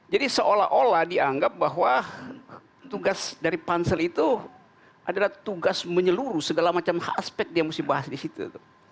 jadi seolah olah dianggap bahwa tugas dari pansel itu adalah tugas menyeluruh segala macam aspek yang harus dibahas di situ